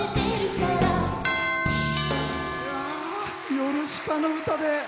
ヨルシカの歌で。